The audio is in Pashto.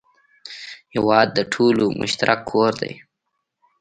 هېواد د ټولو مشترک کور دی.